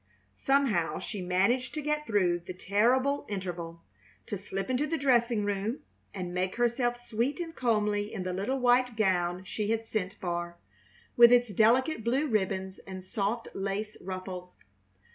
Somehow she managed to get through the terrible interval, to slip into the dressing room and make herself sweet and comely in the little white gown she had sent for, with its delicate blue ribbons and soft lace ruffles.